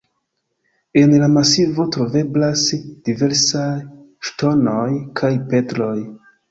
En la masivo troveblas diversaj ŝtonoj kaj petroj.